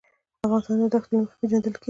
افغانستان د دښتو له مخې پېژندل کېږي.